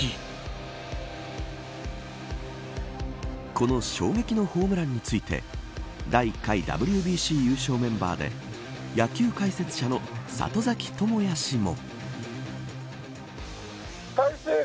この衝撃のホームランについて第１回ＷＢＣ優勝メンバーで野球解説者の里崎智也氏も。